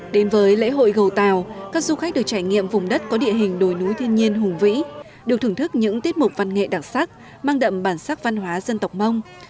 đến với lễ hội gầu tàu các du khách được trải nghiệm vùng đất có địa hình đồi núi thiên nhiên hùng vĩ được thưởng thức những tiết mục văn nghệ đặc sắc mang đậm bản sắc văn hóa dân tộc mông